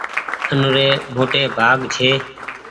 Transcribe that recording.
آ نوري موٽي ڀآگ ڇي۔